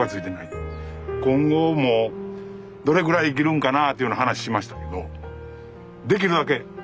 今後もどれくらい生きるんかなあっていうような話しましたけどできるだけ